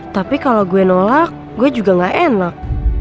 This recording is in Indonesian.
tapi kalau gue nolak gue juga gak enak